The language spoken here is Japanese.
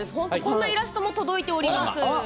こんなイラストも届いています。